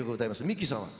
ミッキ−さんは？